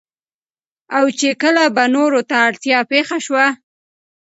او چې کله به نورو ته اړتيا پېښه شوه